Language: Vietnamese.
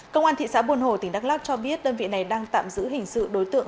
công an thị xã buôn hồ tỉnh đắk lắc cho biết đơn vị này đang tạm giữ hình sự đối tượng